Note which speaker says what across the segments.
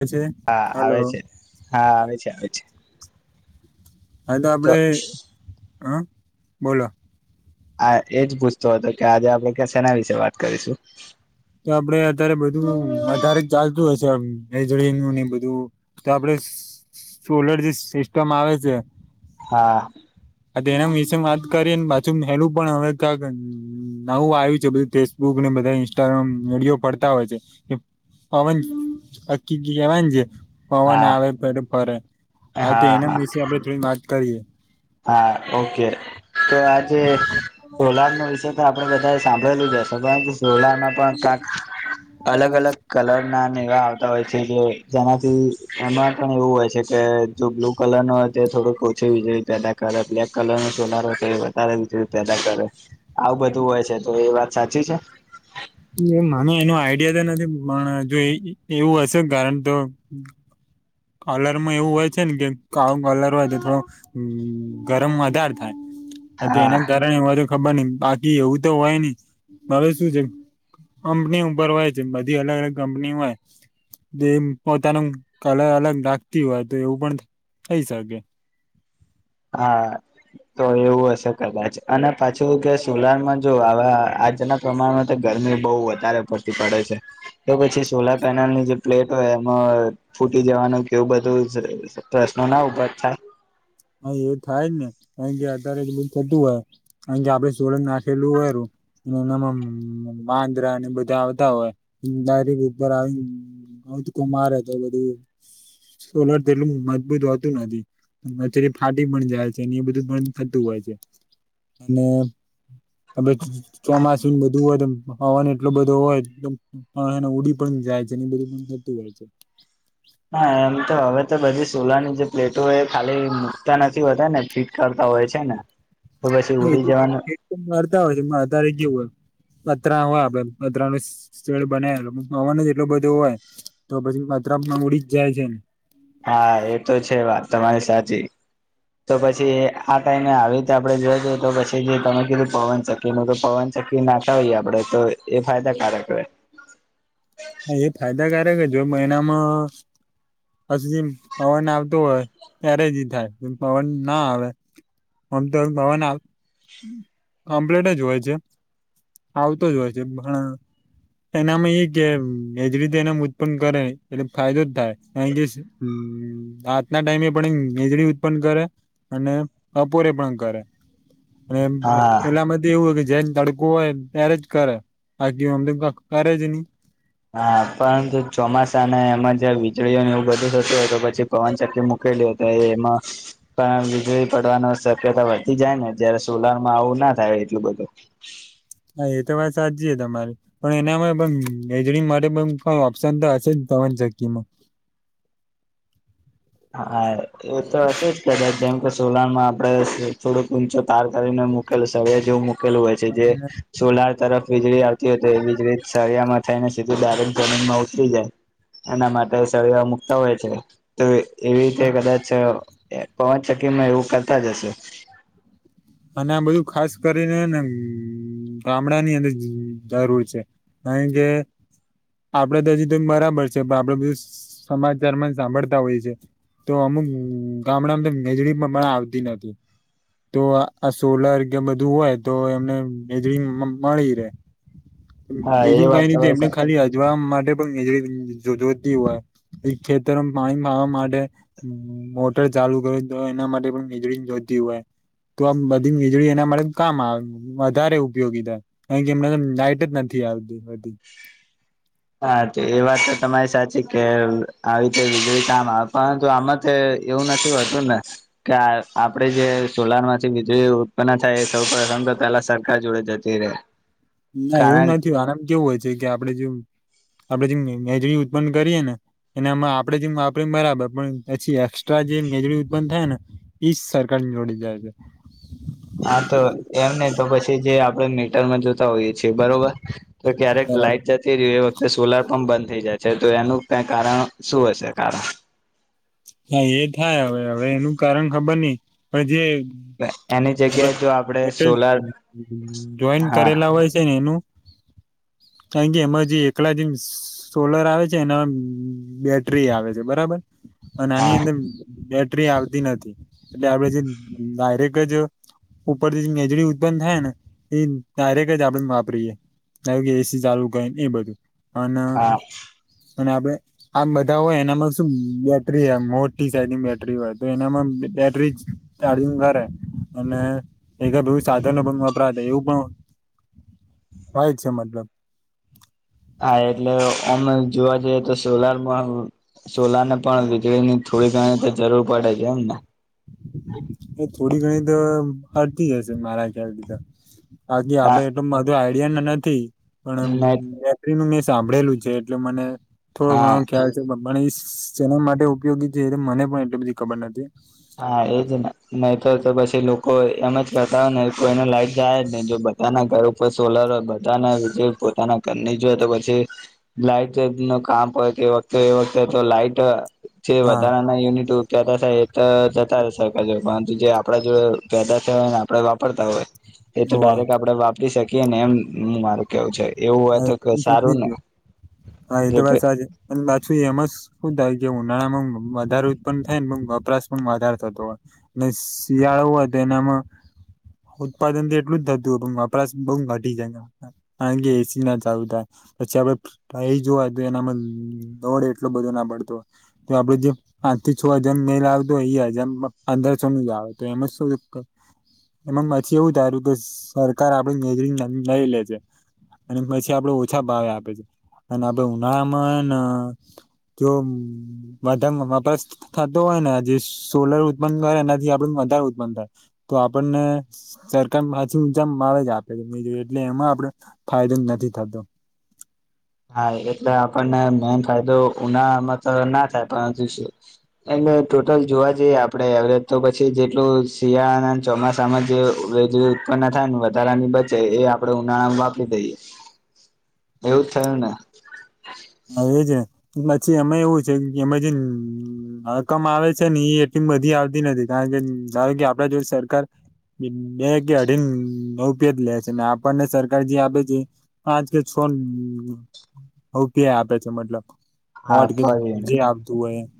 Speaker 1: છે
Speaker 2: હા
Speaker 1: હલો
Speaker 2: આવે છે હા આવે છે આવે છે
Speaker 1: હા તો આપડે હ બોલો
Speaker 2: આ એજ પૂછતો હતો કે આજે આપડે ક્યા સેના વિશે વાત કરીશું
Speaker 1: તો આપડે અત્યારે બધું અતારે જ ચાલતું હશેજળ નું ને બધું તો આપડે સોલર જે સિસ્ટમ આવે છે
Speaker 2: હા
Speaker 1: એના વિશે વાત કરીએને પાછું પેલું પણ હવે ક્યાંક નવું આવ્યું છે બધું ફેસબુક બધા ઇન્સ્ટ્રામ વિડયો પડતા હોય છે પવન હકી કેવા છે પવન
Speaker 2: હા
Speaker 1: આવે પે ફરે હ તો
Speaker 2: હા
Speaker 1: એના
Speaker 2: હા
Speaker 1: વિશે આપડે થોડી વાત કરીએ
Speaker 2: હા ઓકે તો આજે સોલાર નો વિષય તો આપ બધા સાંભળેલું જ હશે કારણ કે સોડામાં પણ ક્યાંક અલગ અલગ કલર ના એવા આવતા હોય છે કે જેનાથી એમાં પણ એવું હોય છે કે જો બ્લુ કલર ન થો કો [inaudible] કર બ્લેક કલર નો છોલારો છે એ વધારે વીજળી પેદા કરે આવું બધું હોય છે તો એ વાત સાચી છે
Speaker 1: [inaudible] એ મને એનું આઈડિયા તો નથી પણ જો એવું હશે કારણ તો કલરમાં એવું હોય છે ને કે કું કલર હોય તો થોડું ગરમ વધાર થાય
Speaker 2: હા
Speaker 1: એના કારણેને ખબર નઈ બાકી એવું તો હોય નહ માવે શું છે કંપની ઉપર હોય છે બધી અલગ અલગ કંપની હોય જે પોતાનું કલર અલગ નાખતી હોય તો એવું પણ થઈ શકે
Speaker 2: હા તો એવું હશે કદાચ અને પાછું કે સોલારમાં જો આવા આજના પ્રમાણમાં તો ગી બ વધ પડતી પડે છે તો પછી સોલર પેનલની જે પ્લેટ હોય એમાં જવાનું કેવું બધું પ્રશ્નો ના ઉપભા થાય
Speaker 1: અ એ થાય જ ને અ કે અત્યારે જ બધ થતું હોય અ કે આપડે સોલંદ નાખેલું હોયું એનામાં વાંદરા ને બધા આવતા હોય દારીક ઉપર આવી કો મારે તો બધું સોલર તેટલું મજબૂત હોતું નથી ફાટી પણ જાય છે અને એ બધું થતું હોય છે અને ચોમાસું બધું હોય હવન એટલો બધો હોય ઉડી પણ જાય છે બધું પણું હોય છે
Speaker 2: હા હવે તો બધી સોલરની જે પ્લેટો હોય ખાલી મૂકતા નથી હોતા ને ફિટ કરતા હોય છે ને તો પછી
Speaker 1: હા એ
Speaker 2: ઉડી
Speaker 1: તો
Speaker 2: જવાનું
Speaker 1: કરરતા હોય છે અતારે જેવું હોય પતરા હોય આપડે પતરા ન સ્થળ બનેલ પવન જ એટલું બધું હોય તો પછી માત્રામાં ઉડી જાય છે ને
Speaker 2: હા એ તો છે વાત તમારી સાચી
Speaker 1: હ
Speaker 2: તો પછી આ ટાઈમે આવીીતે આપડે જોજએ તો પછી જે તમે કીધું પવનચકી નું તો પવન ચકી નાતા હોઈએ આપડે તો એ ફાયદા ક્યારેક ર
Speaker 1: હા એ ફાયદાકારક હ જો મહિનામાં પછી જેમ પવન આવતોું હોય ત્યારે જ થાય પવન ના આવે આમ તો ગવાના કમ્પ્લેટ જ હોય છે આવતો જ હોય છે એનામાં એક કે એજ રીતે એના ઉત્પન્ન કરે એટલે ફાયદો જ થાય કારણ કે આજના ટાઈમે પણ વીજળી ઉત્પન્ન કરે અને અપોરે પણ કરે અને
Speaker 2: હા
Speaker 1: પેલામાં એવું હો જે લડકોું હોય ત્યારે જ કરે બાકી અમદિન કરે જ ન
Speaker 2: હા પરંતુ ચોમાસાને એમાં જે વીજળીઓ ને એવું બધું થતું હોય તો પછી પવન ચકલી મક એમાં પણ વીજળી પડવાની શક્યતા વધતી જાય ને જ્યારે સોલારમાં આવું [unintelligible] થાય એટલું બધું.
Speaker 1: હા એ તો વાત સાચી તમારી પણ એનામાં પણ [unintelligible] કઈ ઓપ્શન તો હશે જ તમે [unintelligible]
Speaker 2: હા એવું તો હતું જ કદાચ જેમ [inaudible] સોલારમાં આપડે થોડોક ઊંચો તાર કરીને મૂકેલ સ જેવું મ [inaudible] [unintelligible] હોય છે, જે સોલાર તરફ વીજળી આવતી હો એ વીજળી સળિયામાં થઈને સીધું દારૂણ [inaudible] જમીનમાં ઉતરી જાય. એના માટે સરળ મુકતા હોય છે તો એવી રીતે કદાચ અ-એ પવનચક્કી માં એવું કરતા જ હશે.
Speaker 1: અને આ બધું ખાસ કરીનેને મ-મ-મ ગામડા ની [unintelligible] જરૂર છે [unintelligible] કે આપડે તો હજી તો બરાબર છે, પણ આપડું બધું સ-સ સમાજ દરમિયાન સાંભળતા હોય છે. તો અમુ-મુ-મુ ક ગામડા [unintelligible] આવતી નથી તો આ આ સોલર કે બધું હોય તો એમને [unintelligible] મળી રહેે.
Speaker 2: હા એ
Speaker 1: બીજું
Speaker 2: વાત
Speaker 1: કઈ નથી
Speaker 2: તમારી
Speaker 1: એમને
Speaker 2: સાચી
Speaker 1: ખાલી હજવા [unintelligible] [unintelligible] હોય ખેતરમાં પાણી [unintelligible] માટે મ-મ- મોટર ચાલુ કરે તો એના માટે પણ વીજળી જોતી હોય! તો આમ બધી વીજળી એના માટે કામ-મ આવે મ-મ વધારે ઉપયોગી થાય, કારણ કે એમને લાાઈટ જ નથી આવે! ડી વાડી [inaudible]
Speaker 2: હા તો એ [inaudible] વાત તો તમારી સાચી કે આવી રીતે [inaudible] વીજળી કામ આવે પરંતુ આમ તો એવું નથી [inaudible] હોતું ને કે આપડે જે સોલાર માંથી વીજળી [inaudible] ઉત્પન્ન થાય એ સૌ [unintelligible] તો પેલા સરકાર જોડે જતી રે!
Speaker 1: નાઇએવું નથી આરામ કેવું હોય છે કે આપડે જેવ આપડે જેમ [unintelligible] ઉત્પન્ન કરીએ ને એનામાં આપડે જેમ [unintelligible] બરાબર પણ પછી એસ્ટ્રા જે મજળ ઉત્પન્ન થાય ને ઈ સ-સરકાર જોડી જાય છે.
Speaker 2: આ તો એમ નહી તો પછી [unintelligible] મીટરમાં જોતા હોઈએ છીએ બરોબર, તો ક્યારેક
Speaker 1: બરાબર
Speaker 2: લાઈટ જતી રેય એ વખતે સોલાર પંપ બંધ થઈ જાય છે તો એનું ક કારણ શું હશે કારણ!
Speaker 1: હા! એ થાય હવે-હવે એનું કારણ ખબર નઈ હ જે
Speaker 2: [unintelligible] એને
Speaker 1: [unintelligible] જ-જ જોઈન
Speaker 2: હા
Speaker 1: કરેલા હોય છે ને એનું! [inaudible] કારણ કે એમાં જે એકલા જેમ સ-સ- સોલર આવે છે એના બ-બ- બેટરી આવે છે બરાબર! અને
Speaker 2: હા
Speaker 1: આની અંદર-બેટરી આવતી નથી એટલે આપડે જે ડ-ડ-ડાયરેક્ટ જ ઉપરથી જે વીજળીઉત્પન્ન થાય ને એ ડ -ડાયરેક્ટ જ આપણેે વાપરીએ. [unintelligible] કે એસી ચાલુ ક [unintelligible] ને એ બધું અને
Speaker 2: હા [inaudible]
Speaker 1: અને આપડે આ-આમ બધા હોય એનામાં શું બ-બ-બેટરી [unintelligible] હોય મોટી સાઈડની બેટરી હોય તો એનામાં બેટ્રિજ. [unintelligible] અને એકે બું સાધનો પણ વપરાતા એવું પણ [unintelligible] છે મતલબ!
Speaker 2: હા! એટલે [unintelligible] જોવા જઈએ તો સોલારમાં સોલર ને પણ વીજળી ની થોડી ઘણી તો જરૂર પડે છે એમ ને!
Speaker 1: એ થોડી ઘણી તો અડતી જશે મારા ખ્યાલથીધ. આકી આપડે એટલધું આઈડિયાનનથી પણ [unintelligible] તામળેલું છે એટલે મને થોડો
Speaker 2: હા
Speaker 1: ઘણો ખ્યાલછે પણ મને ઇસ [inaudible] જેના માટે ઉપયોગી છે મને પણ એટલી બધી ખબર નથી.
Speaker 2: હા! એજ ને નહી તો તો પછી લોકો એમ [unintelligible] જ કરતા ને કોઈ એને લાઈટ જાય જ નહી જો પોતાના ઘર ઉપર સોલર બધાના વ [unintelligible] પોતાના ઘરની જો તો પછી લાઈટ ક તે વખતે લાઈટ જે
Speaker 1: હા
Speaker 2: વધારા ના યુનિટ ઉ્યા તો જતા રહે સરકાર જોડે પરંતુ જે આપડા જોડે પેદા થયા હોય ને આપડે વાપરતા હોય એ તો
Speaker 1: ઓવે
Speaker 2: ડાયરેક્ટ આપડે વાપરી શકીએ ને એમું મારું કેવું છે એવું હોય
Speaker 1: હા એ તો સમજી
Speaker 2: સારું ને
Speaker 1: ગયો હા એ તો બ
Speaker 2: જે
Speaker 1: સાજેછું એમ શું જે ઉનાળામાં વધાર પણ થાય ને પણ વપરાશ પણ વધાર થતો હોય શિયાળો નામાં ઉત્પાદન તો એટલું જ થતું પણ વપરાશ બઉુ ઘટી જાયે ના ચાલુ થાય પછી આપડેાય જોવા તો એનામાં દોડ એટલો બધો ના પડતો તો આપડે જે પાંચ થી છ હજાર નહીં લાવતો એ હજાર અંદર છો ન આવે તો એમાં શું એ પછી એવું તાર્યું કે સરકાર આપડી મેજરિંગ લઈ લે છે અને પછી આપડે ઓછા ભાવે આપે છે અને આપડે ઉનામાં જો વધા વપરાશ થતો હોય ને જે સોલર ઉત્પન્ન કરે એનાથી આપડ [unintelligible] વધારે ઉત્પન્ન થાય તો આપણને સરકાર પાછી ઊંચા આવે છે. આપે જો એટલે એમાં આપડે ફાયદો નથી થતો.
Speaker 2: હા, એટલે આપણને મેન ફાયદો ઉનાળામાં [unintelligible] તો ના થાય પરંતુ શ [unintelligible] એટલે ટોટલ જોવા જઈએ આપડે એવરેજ તો પછી જેટલું શિયાળાના ચોમાસામાં જે વેજ [unintelligible] ઉત્પનન થાય વધારાની બચે એ આપણે ઉનાળા વાપરી દઈએ. થ ના.
Speaker 1: હા, એજ પછી એમાં એવું છે. એમાં જે રકમ આવે છે ને એ એટલી બધી આવતી નથી કારણ કે ધારો કે આપડે જો સરકાર બે કે અઢી નવપિયાજ લે છે. આપણને સરકાર જે આપે છે પાંચ કે છ હ ક્યા આપે છે. મતલબ
Speaker 2: હા
Speaker 1: વોલ્ટ
Speaker 2: પર
Speaker 1: જે
Speaker 2: યુનિટ
Speaker 1: આપતું હોય એમ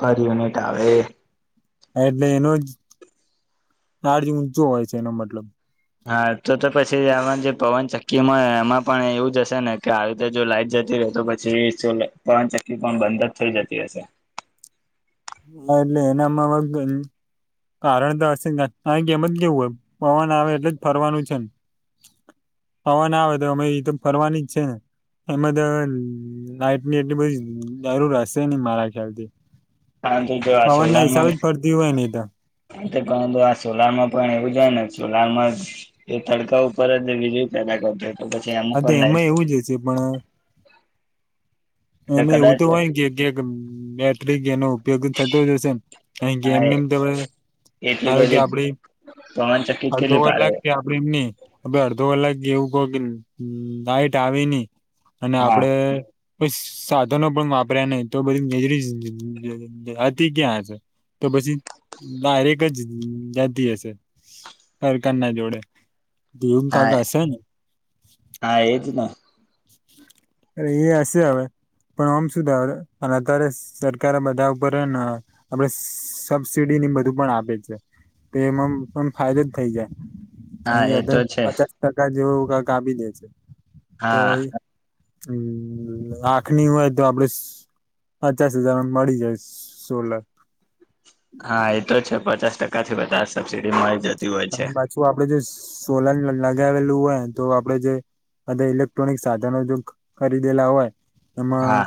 Speaker 2: પર યુનિટ આવે એ.
Speaker 1: હ એટલે એનું ચાર્જ [unintelligible] ઊંચો હોય છે એનો મતલબ
Speaker 2: હા, તો તો પછી આમાં જે પવન ચક્કીમાંય એમાં પણ એવું હશે ને કે આવી રીતે જો લાઈટ જતી તો પછી પવન ચકી પણ બંધ જ થઈ જતી હશે.
Speaker 1: હા, એટલે એનામાં કારણ તો હશે આ કે એમ જ કેવું હો પવન આવે એટલે જ ફરવાનું છે ને પવન આવે તો ઈ તો ફરવાની જ છે ને એમાં તો લાઈટની એટલી બધી જરૂર હશે નહિ મારા ખ્યાલથી!
Speaker 2: પરંતુ જો આ
Speaker 1: પવન ના હિસાબે જ ફરતી હોય નહી તો.
Speaker 2: પરંતુ આ સોલાર માં પણ એવું જ હોય ને સોલારમાં એ તડકા ઉપર જ વીજળી પેદા કરે. તો પછી આમ
Speaker 1: હા તો
Speaker 2: પણ લ [unintelligible]
Speaker 1: એમાં એવું જ હશે અને એવું
Speaker 2: કદાચ
Speaker 1: તો હોય ને કે ક્યાક બેટરી એનો ઉપયોગ થતો જ હશેને. [unintelligible] અ
Speaker 2: હા
Speaker 1: ગેમને એમ તોડ [unintelligible]
Speaker 2: એટલી
Speaker 1: ધારો [unintelligible] કે
Speaker 2: બધી
Speaker 1: આપડી
Speaker 2: પવનચક્કી
Speaker 1: અડધો
Speaker 2: કેટલી પાડે
Speaker 1: કલાક કે આપણે એમની [unintelligible] હ અડધો કલાક જે એવું કહ કે લઈટ આવી ની અને
Speaker 2: હા
Speaker 1: આપડે સાધનો પણ વાપર્યા નહી તો બધી વીજળી [unintelligible] હતી ક્યાં છે? તો પછી બારેક [unintelligible] જ જતી હશે. સરકારના જોડે ઘીવન [unintelligible] ક [unintelligible]
Speaker 2: હા
Speaker 1: કશે [unintelligible] ને [unintelligible]
Speaker 2: હા એજ ને
Speaker 1: અરે એ હશે હવે. પણ આમ શુ થાય અત્યારે સરકર બધા ઉપર આપણે સબસીડી બધું પણ આપે છે. તો એમાં પણ ફાયદો જ થઈ જાય
Speaker 2: હા
Speaker 1: અહી
Speaker 2: એ
Speaker 1: અડધા
Speaker 2: તો
Speaker 1: [unintelligible]
Speaker 2: છે
Speaker 1: પચાસ ટકા જેવું ક કાપી દે છે.
Speaker 2: હા.
Speaker 1: હમ્મ આંખની હોય તો આપડે પચાસ હજારમાં મળી જાય સોલાર [unintelligible]
Speaker 2: હા, એતો છે પચાસ ટકા થી બધા સબસિડી મળી જાય.
Speaker 1: ત પાછું આપડે જે સોલાર ની [unintelligible] લ [unintelligible] લગાવેલું હોય તો આપડે જે બધા ઇલેક્ટ્રોનિક સાધનો જો ખરીદેલા હોય એમાં
Speaker 2: હા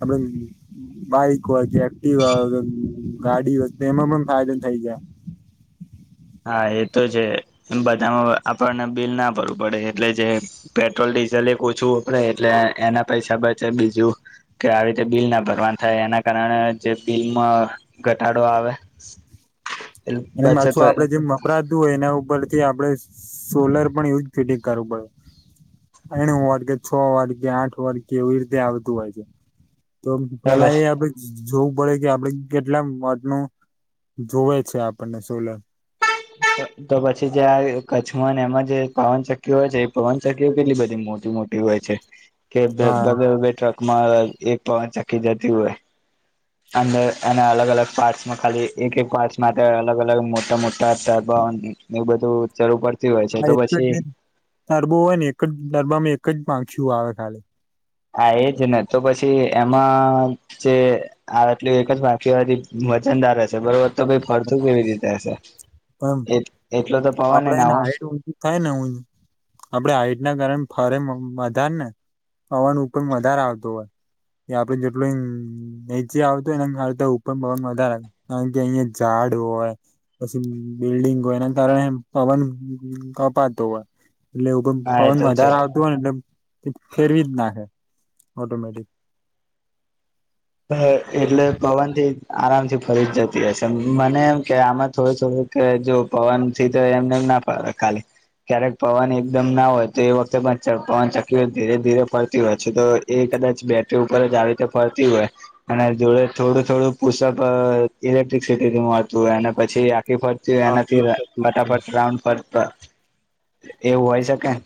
Speaker 1: અબણે [unintelligible] બાઈક હોય કે એક્ટિવા ગાડી હોય એમાં પણ ફાયદો થઈ જાય.
Speaker 2: હા, એ તો છે એ બધામાં આપણને બિલ ના ભરવું પડે એટલે જે પેટ્રોલ ડીઝલ ચલે ઓછું વપરાય એટલે એના પૈસા બચે બીજું કે આવી રીતે બિલ ના ભરવાનું થાય એના કારણે જે બિલમાં ઘટાડો આવે એ
Speaker 1: અને
Speaker 2: બચત
Speaker 1: પાછું [unintelligible] આપડે જે વપરાતું હોય એના ઉપર થી આપડે સોલર પણ એવુંજ ફિડ કરવું પડે આણું [unintelligible] વોલ્ટ કે છ વોલ્ટ કે આઠ વોલ્ટ કે એવી રીતે આવતું હોય છે. તો પેલા એ [inaudible] જોવું પડે કે આપડે કેટલા વોલ્ટનું [unintelligible] જોવે છે. આપણને સોલર [inaudible]
Speaker 2: તો પછી જે આ કચ્છમાં ને એમાં જે પવનચકકીઓ હોય છે એ પવનચક્કીઓ કેટલી બધી મોટી-મોટી હોય. છે કે
Speaker 1: હા
Speaker 2: લગભગ એ ટ્રકમાં એક ચક્કી જતી હોય. અંદર અને અલગ-અલગ પાર્ટ્સમાં ખાલી એક એક પાર્ટ્સ માટે અલગ-અલગ મોટા-મોટા [unintelligible] એ બધું જરૂર પડ
Speaker 1: હ એક જ દરબો હોય ને એક જ દરબામાં એક જ પાખિયુ આવે ખાલી.
Speaker 2: હા એજ ને તો પછી એમાં જે આટલું એક જ વાકી વજનદાર હશે બરોબર તો ભઈ ફરતું કેવી રીતે હશે?
Speaker 1: પણ
Speaker 2: એટલો તો પવન
Speaker 1: આપડે
Speaker 2: ના
Speaker 1: હેને
Speaker 2: હોય
Speaker 1: હાઈટ ઊચી થાય ને હુય આપડે હાઈટના કારણે ફરે વધારે ને પવન ઉપર વધારે આવતો હોય. એ આપડે જેટલું નીચે આવતો હોય એન કરતાં ઉપર વધારે કે અહીંયાં ઝાડ હોય પછી બિલ્ડિંગ હોય એના કારણે પવન કપાતો હોય. એટલે એવું કો
Speaker 2: હા એ
Speaker 1: પવન
Speaker 2: તો છે
Speaker 1: વધારે આવતું હોય ને એટલે ફેરવી જ નાખે. ઓટોમેટિક.
Speaker 2: એટલે પવનથી આરામથી ફરી જ જતી હશે મને એમ કે આમાં થોડું-થોડું કે જો પવનથી તો એમનેમ ના ફરે ખાલી ક્યારેક પવન એકદમ ના હોય તો એ વખતે પણ પવનચક્કી ધીરે ધીરે ફરતી હોય છે તો એક કદાચ બેટરી ઉપર જ આવી રીતે ફરતી હોય. અને જોડે થોડું-થોડું પુસપ ઇલેક્ટ્રિસિટીથી મળતું હોય અને પછી આ એ ફરતી હોય
Speaker 1: હા એ
Speaker 2: એનાથી
Speaker 1: થતું જ છે.
Speaker 2: ફટાફટ રાઉન્ડ ફર ન એવું હોય શકેન.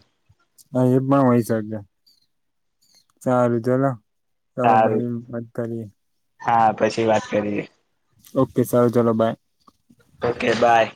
Speaker 1: હ એ પણ હોય શકે સારું ચલો. અવે
Speaker 2: સારું
Speaker 1: ભાઈ મત કરીએ.
Speaker 2: હા, પછી વાત કરીએ.
Speaker 1: ઓકે સારું ચલો બાય.
Speaker 2: Okay by.